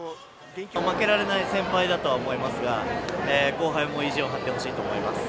負けられない先輩だとは思いますが、後輩も意地を張ってほしいと思います。